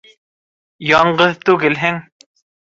Яңғыҙ түгелһең.